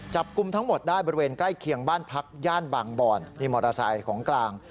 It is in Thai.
จับกลุ่มทั้งหมดได้บริเวณใกล้เคียงบ้านพักย่านบางบ่อนนี่มอเตอร์ไซค์ของกลาง